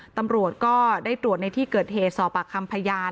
ตำรวจก็ได้ตรวจในที่เกิดเหตุสอบปากคำพยาน